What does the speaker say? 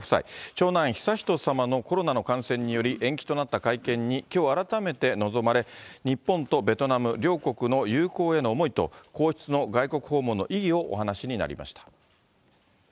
長男悠仁さまのコロナの感染により延期となった会見にきょう改めて臨まれ、日本とベトナム両国の友好への思いと、皇室の外国訪問の意義をお話しになりました。